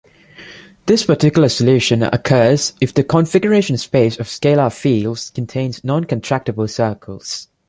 This particular solution occurs if the configuration space of scalar fields contains non-contractible circles.